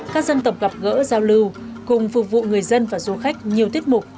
các dân tộc gặp gỡ giao lưu cùng phục vụ người dân và du khách nhiều tiết mục